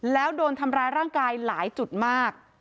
แล้วโดนทำร้ายร่างกายหลายจุดมาก